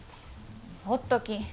ほっとき。